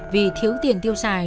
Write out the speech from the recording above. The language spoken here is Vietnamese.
vì thiếu tiền tiêu xài